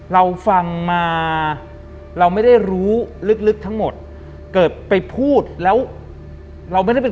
หลังจากนั้นเราไม่ได้คุยกันนะคะเดินเข้าบ้านอืม